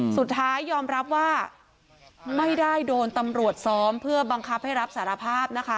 สุดท้ายยอมรับว่าไม่ได้โดนตำรวจซ้อมเพื่อบังคับให้รับสารภาพนะคะ